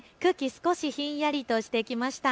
少しひんやりとしてきました。